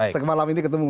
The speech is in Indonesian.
sekarang malam ini ketemu